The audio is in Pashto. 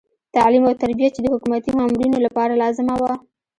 تعلیم او تربیه چې د حکومتي مامورینو لپاره لازمه وه.